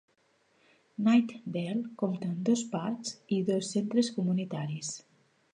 Knightdale compta amb dos parcs i dos centres comunitaris.